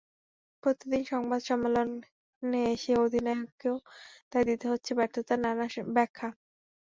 প্রতিদিন সংবাদ সম্মেলনে এসে অধিনায়ককেও তাই দিতে হচ্ছে ব্যর্থতার নানা ব্যাখ্যা।